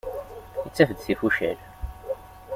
Ittaf d tifucal.